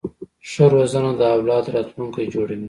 ښه روزنه د اولاد راتلونکی جوړوي.